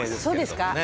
そうですか？